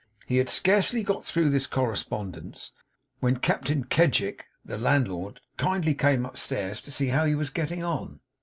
He had scarcely got through this correspondence when Captain Kedgick, the landlord, kindly came upstairs to see how he was getting on.